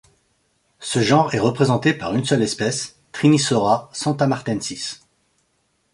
Ce genre est représenté par une seule espèce, Trinisaura santamartaensis.